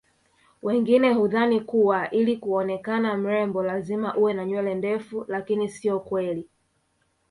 wengine hudhani kuwa ili kuonekana mrembo lazima uwe na nywele ndefu lakini sio kweli